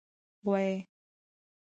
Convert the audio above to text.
🐂 غوایی